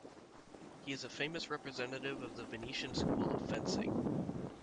He is a famous representative of the Venetian school of fencing.